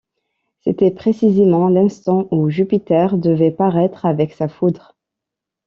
C’était précisément l’instant où Jupiter devait paraître avec sa foudre.